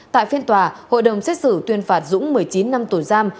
tại phiên tòa hội đồng xét xử tuyên phạt dũng một mươi chín năm tù giam